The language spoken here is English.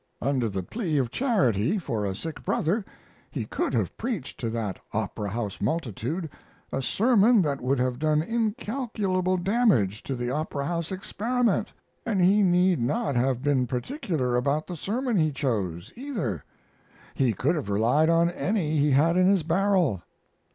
Under the plea of charity for a sick brother he could have preached to that Opera House multitude a sermon that would have done incalculable damage to the Opera House experiment. And he need not have been particular about the sermon he chose, either. He could have relied on any he had in his barrel.